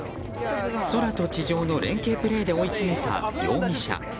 空と地上の連携プレーで追い詰めた容疑者。